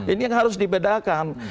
ini yang harus dibedakan